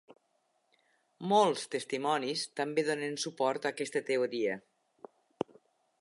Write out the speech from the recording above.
Molts testimonis també donen suport a aquesta teoria.